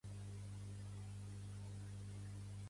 Els veïns immigrants de l'edifici han rebut ajuda de l'Ajuntament